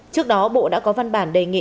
trước đó bộ đã có văn bản đề nghị